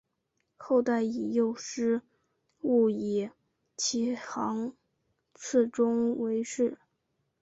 后代以右师戊以其行次仲为氏。